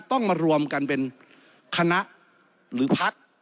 ต้องมารวมกันเป็นคณะหรือพัก